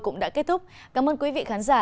cũng đã kết thúc cảm ơn quý vị khán giả